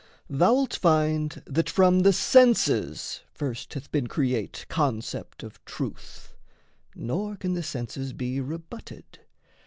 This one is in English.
Thou'lt find That from the senses first hath been create Concept of truth, nor can the senses be Rebutted.